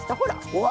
うわ！